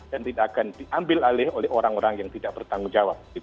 dan tidak akan diambil oleh orang orang yang tidak bertanggung jawab